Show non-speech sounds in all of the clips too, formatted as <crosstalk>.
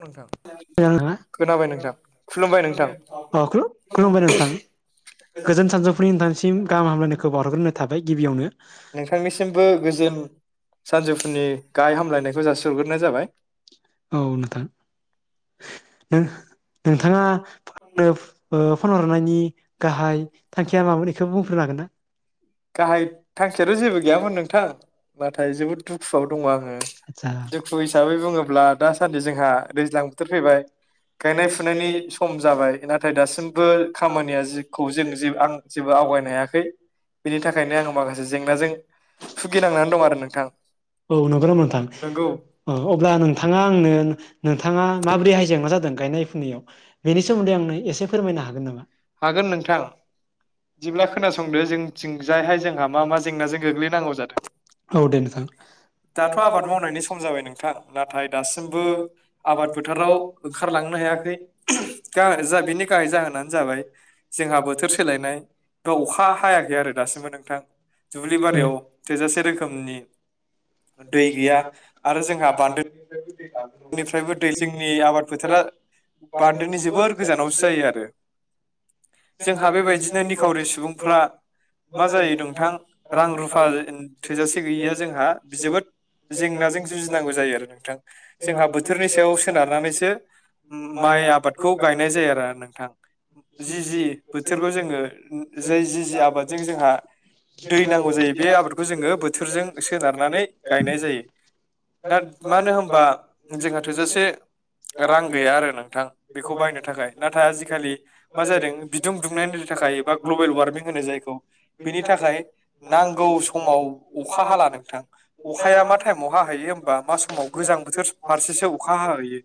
नोंथां। <unintelligible> खुलुमबाय नोंथां। गोजोन सान्जौफुनि नोथांसिम गाहामहामलायनायखौ बाव <unintelligible> नोंथांनिसिमबो गोजोन सान्जौफुनि गाहाय हामलायनायखौ जासिहरगोरनाय जाबाय। औ नोथां। नो नोंथाङा ओफ ओ फन हरनायनि गाहाय थांखिया मामोन एखौ बुंफोरनो हागोन ना? गाहाय थांखियाथ' जेबो गैयामोन नोंथां नाथाय जोबोद दुखुआव दङ आङो । दुखु हिसाबै बुङोब्ला दासान्दि जोंहा दैज्लां बोथोर गायनाय फुनायनि सम जाबाय नाथाय दासिमबो खामानिया जेखौ जों आं जेबो आवगायनो हायाखै । औ <unintelligible> <unintelligible> नंगोर' नोंथां औ अब्ला नोंथाङा आंनो नों थाङा माबोरैहाय जेंना जादों गायनाय फुनायाव? बेनि सोमोन्दै आंनो एसे फोरमायनो हागोन नामा? इदिब्ला खोनासंदो जोंथिंजायहाय जोंहा मा मा जेंनाजों गोग्लैनांगौ जादों। दाथ' आबाद मावनायनि सम जाबाय नोंथां नाथाय दासिमबो आबादफोथ ओंखारलांनो हायाखै जा बिनि गाहाय जाहोनानो जाबाय जोंहा बोथोर सोलायनाय दा अखा हायाखै आरो दासिमबो नोंथां दुब्लि बारियाव थोजासे रोखोमनि दै गैया आरो जोंहा बान्दो दै आंनो गैले दे जोंनि आबाद फोथारा बान्दोनि जोबोर गोजानावसो जायो आरो। जोंहा बेबायदिनो निखावरि सुबुंफ्रा मा जायो नोंथां रां रुफा थोजासे गैयैया जोंहा जोबोद जेंनाजों जुजिनांगौ जायो आरो नोंथां । जोंहा बोथोरनि सायाव सोनारनानैसो उम माइ आबादखौ गायनाय जाया आरोना नोंथां जि जि बोथोरखौ जोङो जाय जि जि आबादजों जोंहा दै नांगौ जायो बे आबादखौ जोङो बोथोरजों सोनारनानै गायनाय जायो दा मानो होनबा जोंहा थोजासे रां गैया आरो नोंथां बेखौ बायनो थाखाय, नाथाय आजिखालि मा जादों बिदुं दुंनायनि थाखाय एबा ग्लबेल वारमिं होनो जायखौ बिनि थाखाय, नांगौ समाव अखा हाला नोंथां अखाया मा टाइमाव हाहैयो होनबा मा समाव गोजां बोथोर फारसेसो अखा हा ओयो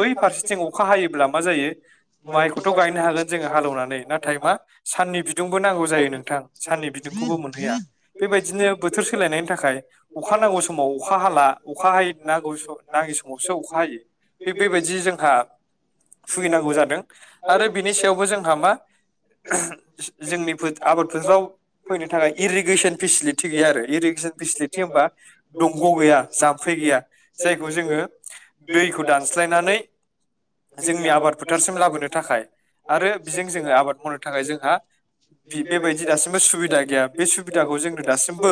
बै फारसेथिं अखा हायोब्ला मा जायो माइखौथ' गायनो हागोन जोङो‌ हालौनानै नाथाय मा साननि बिद बिदुंबो नांगौ जायो नोंथां साननि बिदुंखौबो मोनहैया बेबायदिनो बोथोर सोलायनायनि थाखाय अखा नांगौ समाव अखा हाला अखा हायै नांगौ स नाङि समावसो अखा हायो थिग बेबायदि जोंहा भुगिनांगौ जादों । आरो बेनि सायावबो जोंहा मा जोंनि फोथ आबाद फोथाराव फैनो थाखाय इरिगेसन फेसिलिटि गैया आरो, इरिगेसन फेसिलिटि होनबा दंग' गैया जाम्फै गैया जाय बो जोङो दैखौ दानस्लायनानै जोंनि आबाद फोथारसिम लाबोनो थाखाय आरो बेजों जोङो आबाद मावनो थाखाय जोंहा बि बेबायदि दासिमबो सुबिदा गैया बे सुबिदाखौ जोंनो दासिमबो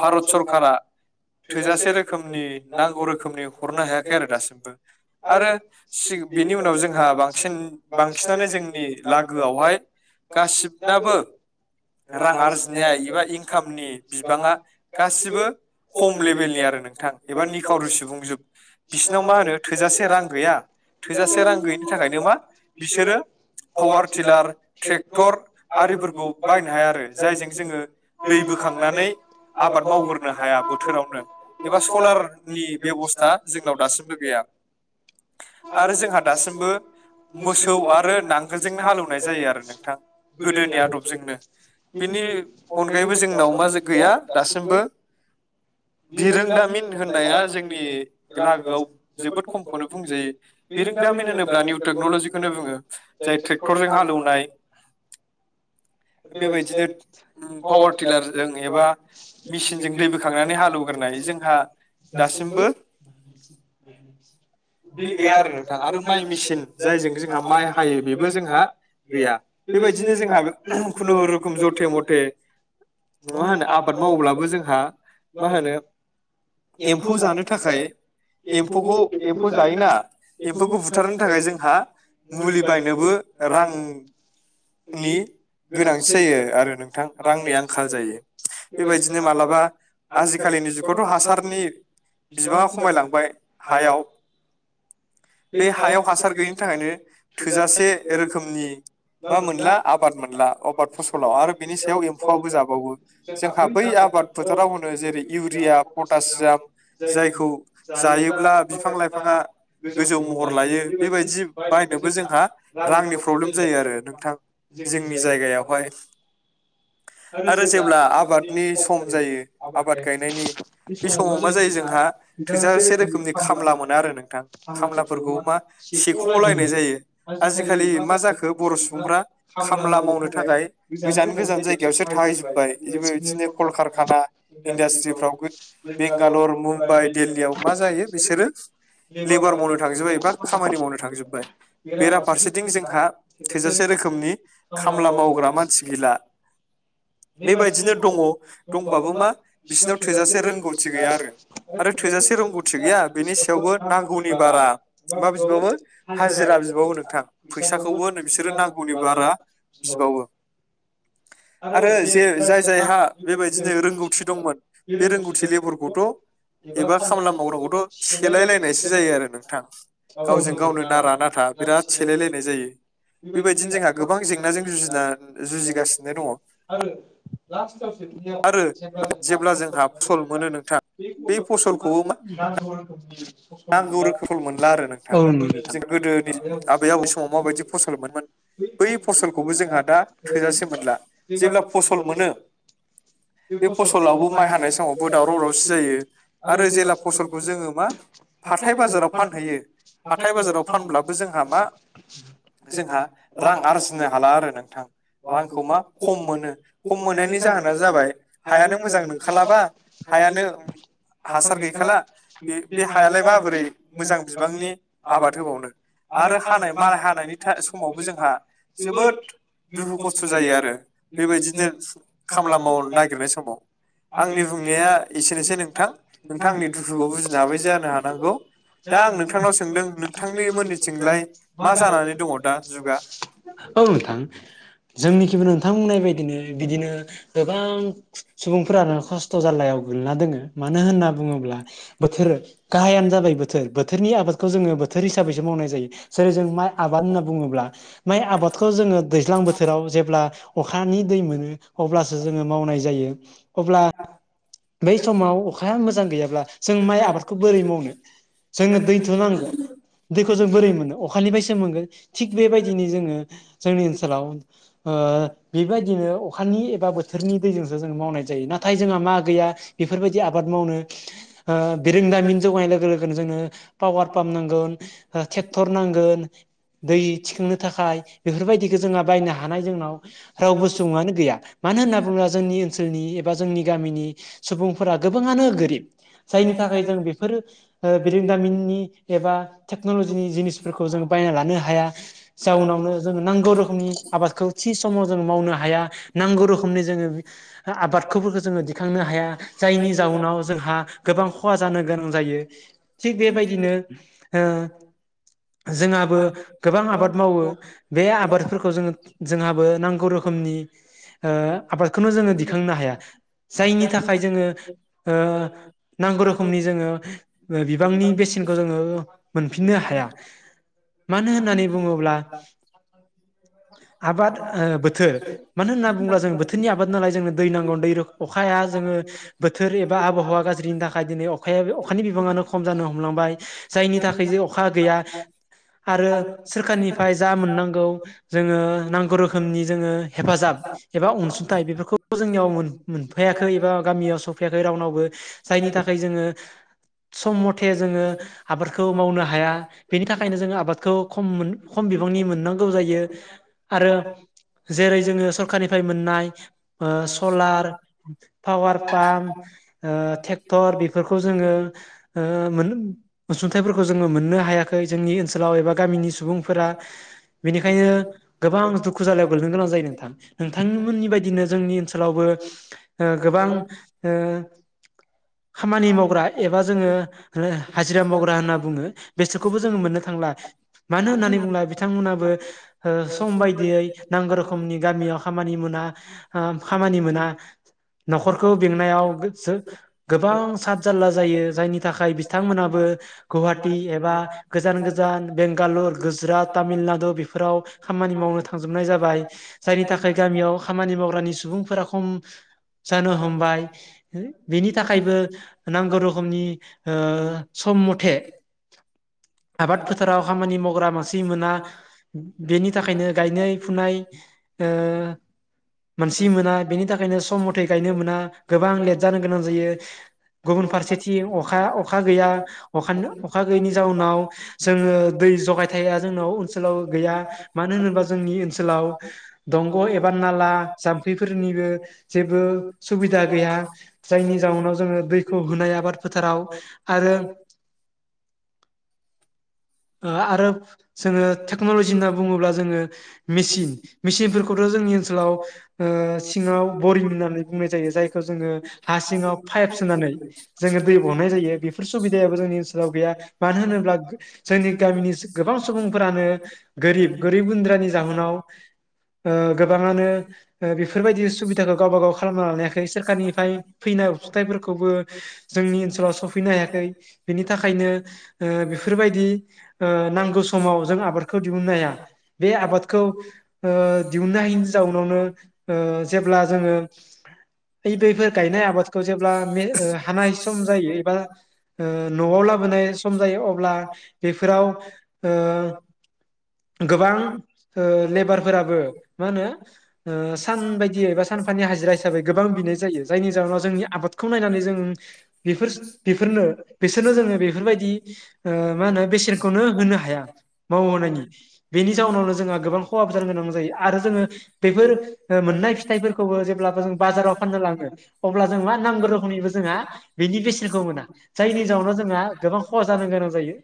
भारत सरकारा थोजासे रोखोमनि नांगौ रोखोमनि हरनो हायाखै आरो दासिमबो आरो सिग बिनि उनाव जोंहा बांसिन बांसिनानो जोंनि लागोआवहाय गासि दाबो रां आरजिनाय एबा इनकामनि बिबाङा गासिबो खम लेबेलनि आरो नोंथां एबा निखावरि सुबुंजोब । बिसिनाव मा होनो थोजासे रां गैया थोजासे रां गैयिनि थाखायनो मा बिसोरो पावार टिलार ट्रेक्टर आरिफोरखौ बायनो हाया आरो जायजों जोङो दै बोखांनानै आबाद मावग्रोनो हाया बोथोरावनो एबा सलारनि बेबस्था जोंनाव दासिमबो गैया आरो जोंहा दासिमबो मोसौ आरो नांगोलजोंनो हालेवनाय जायो आरो नोंथां <inaudible> लागोआव जोबोद खमखौनो बुंजायो बिरोंदामिन होनोब्ला निउ टेक्नलजिखौनो बुङो जाय ट्रेक्टरजों हालौनाय <inaudible> <inaudible> बेबायदिनो जोंहा खुनुरुखुम जथे मथे मा होनो आबाद मावलाबो जोंहा मा होनो एम्फौ जानो थाखाय एम्फौखौ एम्फौ जायोना एम्फौखौ बुथारनो थाखाय जोंहा मुलि बायनोबो रां नि गोनांथि जायो आरो नोंथां रांनि आंखाल जायो बेबायदिनो मालाबा आजिखालिनि जुगावथ' हासारनि बिबाङा खायलांबाय हायाव बे हायाव हासार गैयिनि थाखायनो थोजासे रोखोमनि मा मोनला आबाद मोनला अबाद फसलाव आरो बिनि सायाव एम्फौआबो जाबावो जोंहा बै आबाद फोथाराव होनो जेरै इउरिया पटासियाम जायखौ जायोब्ला बिफां-लाइफाङा गोजौ महर लायो बेबायदि बायनोबो जोंहा रांनि प्रब्लेम जायो आरो नों थां जोंनि जायगायावहाय आरो जेब्ला आबादनि सम जायो आबाद गायनायनि बे समाव मा जायो जोंहा थोजासे रोखोमनि खामला मोना आरो नोंथां खामलाफोरखौ मा सेख'लायनाय जायो आजिखालि मा जाखो बर' सु <inaudible> दिल्लीयाव मा जायो बिसोरो लेबार मावनो थांजोबबाय एबा खामानि मावनो थांजोबबाय बेराफारसेथिं जोंहा थोजासे रोखोमनि खामला मावग्रा मानसि गैला <inaudible> थोजासे रोंगौथि गैया बेनि सायावबो नांगौनि बारा मा बिबावो हाजिरा बिबावो नोंथां फैसाखौबो नो बिसोरो नांगौनि बारा बिबावो आरो जे जाय जायहा बेबायदिनो रोंगौथि दंमोन बे रोंगौथिलि फोरखौ थ' एबा खामला मावनांग्राखौथ' सेलायलायनायसो जायो आरो नोंथां गावजों गावनो नारा नाथा बिराद सेलायलायनाय जायो बेबायदिनो जोंहा गोबां जेंनाजों जुजिना जुजिगासिनो दङ आरो लास्टाव जोबनायाव जेब्ला जोंहा फसल मोनो नोंथा बे बे फसलखौबो मा रानबावनांगौ नांगौ रोखोमफोर मोनला आरो नोंथां जों गोदोनि आबै आबौनि समाव माबायदि फसलमोनोन बै फसलखौबो जोंहा दा थोजासे मोनला जेब्ला फसल मोनो बे फसलावबो माइ हानाय समावबो दावराव दावरावसि जायो आरो जेब्ला फसलखौ जोङो मा हाथाय गोलाराव फानयो हाथाय गोलाराव फाननानै जों जोंहा रां <unintelligible> हाला आरो। <unintelligible> हायालाय माबोरै मोजां बिबांनि आबाद होबावनो आरो हानाय मालाय हानायनि समावबो जोंहा जोबोद दुखु खस्थ' जायो आरो बेबायदिनो खामला मावनो नागिरनाय समाव आंनि बुंनाया एसेनोसै नोंथां नोंथां आंनि दुखुखौ बुजिनो हाबाय जा। औ नोंथां जोंनिखिबो नों बुंनाय बायदिनो बिदिनो गोबां सुबुंफोरानो खस्थ' थ'' जल्लायाव गोग्लैना दोङो मानो होनना बुङोब्ला बोथोर गाहायानो जाबाय बोथोर बोथोरनि आबादखौ जोङो बोथोर हिसाबैसो मावनाय जायो जेरै जों माइ आबाद होनना बुङोब्ला माइ आबादखौ जोङो दैज्लां बोथोराव जेब्ला खानि दै मोनो अब्लासो जों मावनाय जायो अब्ला <unintelligible> बै समाव अखाया मोजां गैयाब्ला जों माइ आबादखौ बोरै मावनो जोंनो दैथ' नांगोन दैखौ जों बोरै मोनो अखानिफ्रायसो मोनगोन थिग बेबायदिनो जोङो जोंनि ओनसोलाव ओ। बेबायदिनो अखानि एबा बोथोरनि दैजोंसो जों मावनाय जायो नाथाय जोंहा मा गैया बेफोरबायदि आबाद मावनो बिरोंदामिन जौगानाय लोगो लोगोन जोङो पावार पाम्प नांगोन ट्रेक्टर नांगोन दै थिखांनो थाखाय बेफोरबायदिखौ जोंहा बायनो हानाय जोंनाव रावबो सुबुङानो गैया मानो होनना बुङोब्ला जोंनि ओनसोलनि एबा जोंनि गामिनि सुबुंफोरा गोबाङानो गोरिब जायनि थाखाय जों बेफोर बिरंदामिननि एबा टेक्न'लजिनि जिनिसफोरखौ जों बायना लानो हाया जाउनावनो जों नांगौ रोखोमनि आबादखौ थि समाव जों मावनो हाया नांगौ रोखोमनि जोङो आबादफोरखौ जोङो दिखांनो हाया जायनि जाउनाव जोंहा गोबां खहा जानो गोनां जायो। थिग बेबायदिनो ओ जोंहाबो गोबां आबाद मावो बे आबादफोरखौ जों जोंहाबो नांगौ रोखोमनि ओ आबादखौनो जोङो दिखांनो हाया जायनि थाखाय जोङो ओ नांगौ रोखोमनि जोङो बिबांनि बेसेनखौ जोङो मोनफिननो हाया मानो होननानै बुङोब्ला आबाद ओ बो बोथोर मानो होन्ना बुङोब्ला जों बोथोरनि आबाद नालाय जोंनो दै नांगौ दै अखाया जोङो बोथोर एबा आबहावा गाज्रिनि थाखाय दिनै अखाया अखानि बिबाङानो खम जानो हमलांबाय जायनि थाखाय जे अखा गैया आरो सोरखारनिफ्राय जा मोननांगौ जोङो नांगौ रोखोमनि जोङो हेफाजाब एबा अनसुंथाइ बेफोरखौ जोंनियाव मोनफैयाखै एबा गामियाव सफैयाखै रावनावबो जायनि थाखाय जोङो सम मथे जोङो आबादखौ मावनो हाया बेनि थाखायनो जोङो आबादखौ खम खम बिबांनि मोननांगौ जायो आरो जेरै जोङो सरखारनिफ्राय मोननाय सलार पावार पाम्प ट्रेक्टर बेफोरखौ जोङो अनसुंथाइफोरखौ जोङो मोननो हायाखै जोंनि ओनसोलाव एबा गामिनि सुबुंफोरा बेनिखायनो गोबां दुखु जालाय गोगलैनो गोनां जायो नोंथां नोंथांमोननि बायदिनो जोंनि ओनसोलावबो गोबां खामानि मावग्रा एबा जोङो हाजिरा मावग्रा होनना बुङो बेसोरखौबो जोङो मोननो थांला मानो होननानै बुंला बिथांमोनाबो सम बायदियै गौरोखोमनि गामियाव खामानि मोना, ओ खामानि मोना न'खरखौ बेंनायाव गो सो गोबां साद जालला जायो जायनि थाखाय बिथांमोनाबो गुहाति एबा गोजान गोजान बेंगालर गुजरात तामिलनाडु बेफोराव खामानि मावनो थांजोब नाय जाबाय जायनि थाखाय गामियाव खामानि मावग्रानि सुबुंफोरा खम जानो हमबाय ओ बेनि थाखायबो नांगौ रोखोमनि ओ सम मथे आबाद फोथाराव खामानि मावग्रा मानसि मोना बेनि थाखायनो गायनाय फुनाय ओ मानसि मोना बेनि थाखायनो सम मथे गायनो मोना गोबां लेट जानो गोनां जायो गुबुन फारसेथिं अखा अखा गैया अखा गैयैनि जाउनाव जोङो दै जगायथाया जोंनाव सोलाव गैया मानो होनोबा जोंनि ओनसो सोलाव दंग' एबा नाला जाम्फैफोरनिबो जेबो सुबिदा गैया जायनि जाउनाव जोङो दैखौ होनाय आबाद फोथाराव आरो आरो जोङो टेकनलजि होनना बुङोब्ला जोङो मेसिन मेसिनफोरखौथ' जोंनि ओनसोलाव ओ सिङाव बरिं होननानै बुंनाय जायो जायखौ जोङो हा सिङाव पाइप सोनानै जोङो दै बहननाय जायो बेफोर सुबिदायाबो जोंनि गैया मानो होनोब्ला जोंनि गामिनि गोबां सुबुंफोरानो गोरिब गोरिब गुन्द्रानि जाहोनाव ओ गोबाङानो बेफोरबायदि सुबिदाखौ गावबागाव खालामना लानो हायाखै सोरखारनिफ्राय फैनाय अनसुंथाइफोरखौबो जोंनि ओनसोलाव सफैनो हायाखै बिनि थाखायनो ओ बेफोरबायदि ओ नांगौ समाव जों आबादखौ दिहुननो हाया बे आबाद खौ ओ दिहुननो हायिनि जाउनावनो ओ जेब्ला जोङो ऐ बेफोर गायनाय आबादखौ जेब्ला मे ओ हानाय सम जायो एबा ओ न'आव लाबोनाय सम जायो अब्ला बेफोराव ओ गोबां ओ लेबारफोराबो मा होनो ओ सान बायदियै एबा सानफानि हाजिरा हिसाबै गोबां बिनाय जायो जायनि जाहोनाव जोंनि आबादखौ नायनानै जों बेफोर बेफोरनो बिसोरनो जोङो बेफोरबायदि ओ मा होनो बेसेनखौनो होनो हाया मावहोनायनि बेनि जाउनावनो जोंहा गोबां खहाबो जानो गोनां जायो आरो जोङो बेफोर ओ मोननाय फिथाइफोरखौबो जेब्लाबो जों बाजाराव फाननो लाङो अब्ला जों मा नांगौ रोखोमनिबो जोंहा बेनि बेसेनखौ मोना जायनि जाउनाव जोंहा गोबां खहा जानो गोनां जायो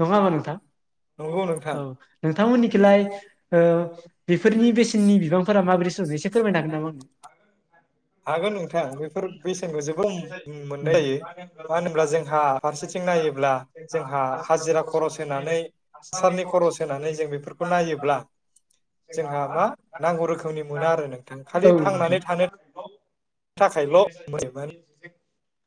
नङा होमबा नोंथां औ नोंथांमोननिथिलाय ओ बेफोरनि बेसेननि बिबांफोरा माबोरै एसे फोरमायनो हागोन नामा आंनो हागोन नोंथां बेफोर बेसेनखौ जों मोननाय जायो मानो होन्ला जोंहा फारसेथिं नायोब्ला जोंहा हाजिरा खरस होनानै हासारनि खरस होनानै जों बेफोरखौ नायोब्ला जोंहा मा नांगौ रोखोमनि मोना आरो नोंथां खालि थांनानै थानो थाखायल' मोनो <unintelligible> <unintelligible>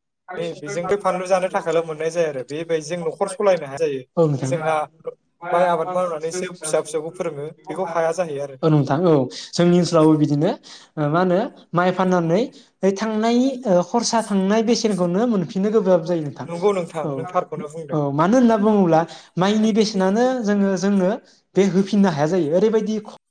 औ नोंथां <unintelligible> औ नोंथां औ जोंनि ओनसोलावबो बिदिनो मा होनो माइ फाननानै थांनाय खरसा थांनाय बे <unintelligible> खौनो मोनफिननो गोब्राब जायो नोंथां औ औ मानो होनना बुङोब्ला माइनि बेसेनानो जोङो जोंनो बे होफिननो हाया जायो ओरैबायदि